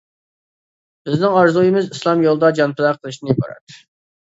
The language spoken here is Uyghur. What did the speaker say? بىزنىڭ ئارزۇيىمىز ئىسلام يولىدا جان پىدا قىلىشتىن ئىبارەت.